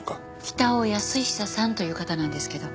北尾保久さんという方なんですけど。